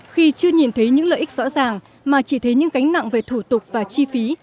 khi chưa nhìn thấy những lợi ích rõ ràng mà chỉ thấy những gánh nặng về thủ tục và chi phí